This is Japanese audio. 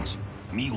見事］